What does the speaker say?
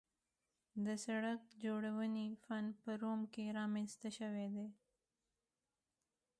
د سړک جوړونې فن په روم کې رامنځته شوی دی